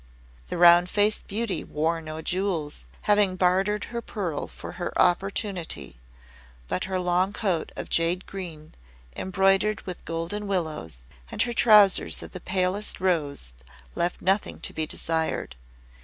The Round Faced Beauty wore no jewels, having bartered her pearl for her opportunity; but her long coat of jade green, embroidered with golden willows, and her trousers of palest rose left nothing to be desired.